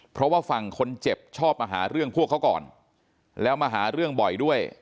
เพราะว่าฝั่งคนเจ็บชอบมาหาเรื่องพวกเขาก่อนแล้วมาหาเรื่องบ่อยด้วย